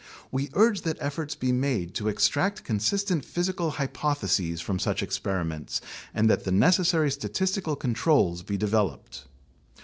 We urge that efforts be made to extract consistent physical hypotheses from such experiments and that the necessary statistical controls be developed.